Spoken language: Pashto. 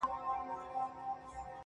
o شكر چي ښكلا يې خوښــه ســوېده.